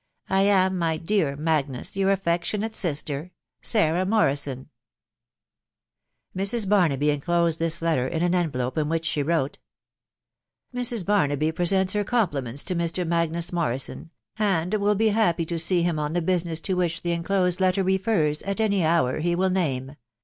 " I am, my dear Magnus, Your affectionate sister, " Sarah Morrison " Mrs. Barnaby enclosed this letter in an envelope, in which she wrote, —" Mrs. Barnaby presents her compliments to Mr. Magnus Morrison, and will be happy to see him on the business to which the enclosed letter refers, at any hour he will name.